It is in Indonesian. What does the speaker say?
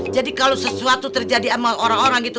jadi kalau sesuatu terjadi sama orang orang gitu